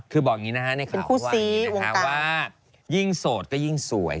คือบอกอย่างนี้นะครับว่ายิ่งโสดก็ยิ่งสวย